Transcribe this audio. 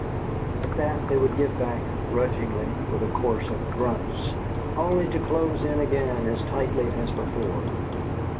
At that they would give back grudgingly with a chorus of grunts, only to close in again as tightly as before.